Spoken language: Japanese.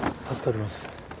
助かります。